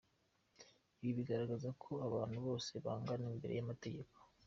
Ibi bigaragaza ko abantu bose bangana imbere y’amategeko.